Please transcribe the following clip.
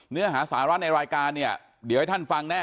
เนื้อหาสาระในรายการเนี่ยเดี๋ยวให้ท่านฟังแน่